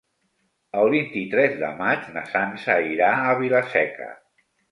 El vint-i-tres de maig na Sança irà a Vila-seca.